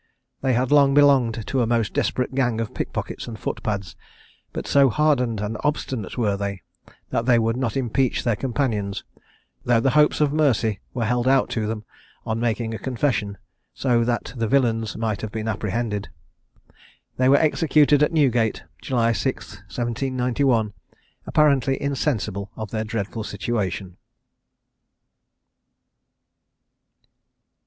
They had long belonged to a most desperate gang of pickpockets and footpads; but so hardened and obstinate were they, that they would not impeach their companions, though the hopes of mercy were held out to them, on making a confession, so that the villains might have been apprehended. They were executed at Newgate, July 6th, 1791, apparently insensible of their dreadful situation.